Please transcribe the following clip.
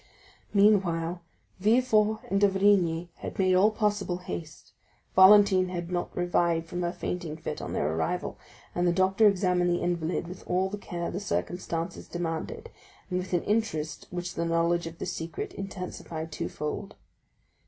Meanwhile, Villefort and d'Avrigny had made all possible haste, Valentine had not revived from her fainting fit on their arrival, and the doctor examined the invalid with all the care the circumstances demanded, and with an interest which the knowledge of the secret intensified twofold.